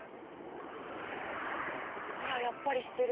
ほらやっぱりしてる！